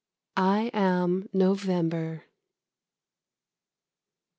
I am November.